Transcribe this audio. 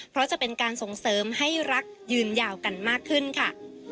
เพราะจะเป็นการส่งเสริมให้รักยืนยาวกันมากขึ้นค่ะ